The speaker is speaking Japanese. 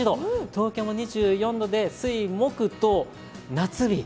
東京も２４度で水、木と夏日。